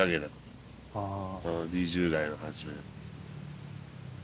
うん２０代の初め。